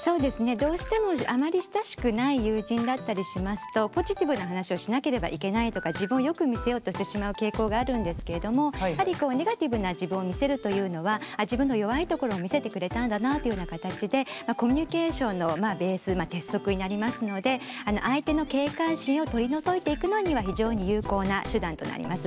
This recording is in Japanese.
どうしてもあまり親しくない友人だったりしますとポジティブな話をしなければいけないとか自分をよく見せようとしてしまう傾向があるんですけれどもやはりこうネガティブな自分を見せるというのは自分の弱いところを見せてくれたんだなっていうような形でコミュニケーションのベース鉄則になりますので相手の警戒心を取り除いていくのには非常に有効な手段となります。